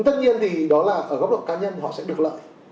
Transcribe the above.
tất nhiên thì đó là ở góc độ cá nhân họ sẽ được lợi